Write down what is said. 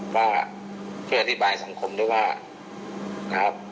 ว่าเพื่อทำการอธิบายสังคมด้วยว่า